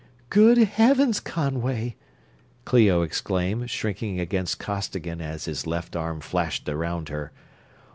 "Good Heavens, Conway!" Clio exclaimed, shrinking against Costigan as his left arm flashed around her.